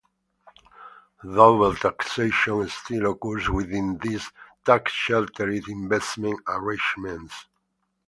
Double taxation still occurs within these tax-sheltered investment arrangements.